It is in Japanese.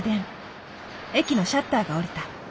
駅のシャッターが下りた。